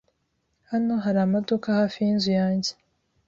Hano hari amaduka hafi yinzu yanjye.